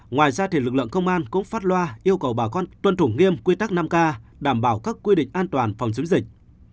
ngoài ra lực lượng công an cũng phát loa yêu cầu bà con tuân thủ nghiêm quy tắc năm k đảm bảo các quy định an toàn phòng chống dịch